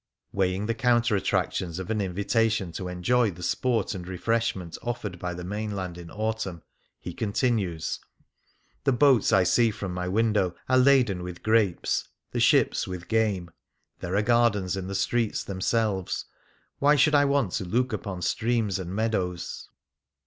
'* Weighing the counter attractions of an in vitation to enjoy the sport and refreshment offered by the mainland in autumn, he con tinues :" The boats I see from my window are 39 Things Seen in Venice laden with grapes, the ships with game ; there are gardens in the streets themselves. Why should I want to look upon streams and meadows